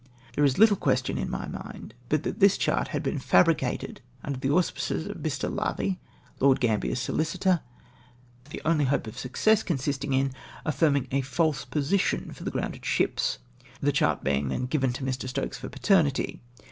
There is little question in my mind but that this chart had been fabricated under the auspices of Mr. Lavie, Lord Gambler's sohcitor, the only hope of success consisting m affirming a false position for the grounded ships ; the chart being then given to Stokes for paternity.